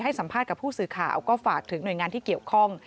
สัมภาษณ์กับผู้สื่อข่าวก็ฝากถึงหน่วยงานที่เกี่ยวข้อง